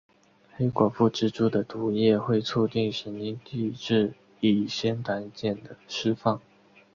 黑寡妇蜘蛛的毒液会促进神经递质乙酰胆碱的释放。